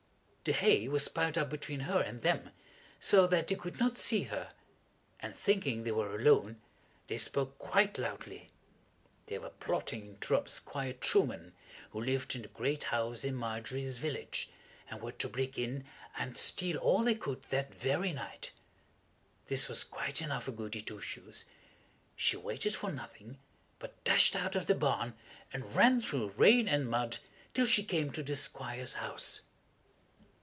The hay was piled up between her and them, so that they could not see her, and, thinking they were alone, they spoke quite loudly. [Illustration: Plotting to rob Squire Trueman] They were plotting to rob Squire Trueman, who lived in the great house in Margery's village, and were to break in and steal all they could that very night. This was quite enough for Goody Two Shoes. She waited for nothing, but dashed out of the barn, and ran through rain and mud till she came to the Squire's house.